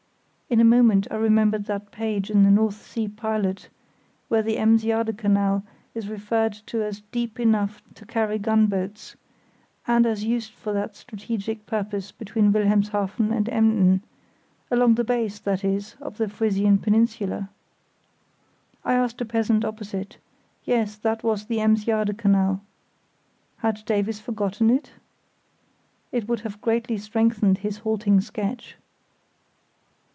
In a moment I remembered that page in the North Sea Pilot where the Ems Jade Canal is referred to as deep enough to carry gun boats, and as used for that strategic purpose between Wilhelmshaven and Emden, along the base, that is, of the Frisian peninsula. I asked a peasant opposite; yes, that was the Ems Jade Canal. Had Davies forgotten it? It would have greatly strengthened his halting sketch.